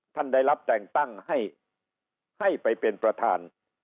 ท่านได้รับแต่งตั้งให้ไปเป็นประธาน